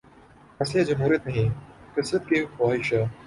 مسئلہ جمہوریت نہیں، کثرت کی خواہش ہے۔